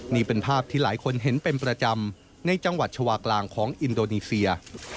นี่เป็นภาพที่หลายคนเห็นเป็นประจำในจังหวัดชาวากลางของอินโดนีเซีย